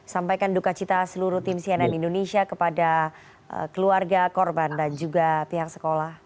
sampaikan duka cita seluruh tim cnn indonesia kepada keluarga korban dan juga pihak sekolah